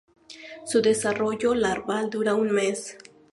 Su desarrollo larval dura un mes.